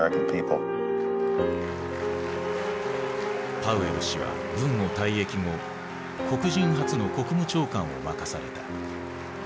パウエル氏は軍を退役後黒人初の国務長官を任された。